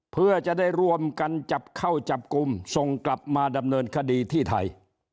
เพื่อจะได้รวมกันจับเข้าจับกลุ่มส่งกลับมาดำเนินคดีที่ไทย